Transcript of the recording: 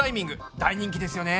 大人気ですよね。